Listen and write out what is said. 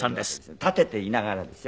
立てていながらですよ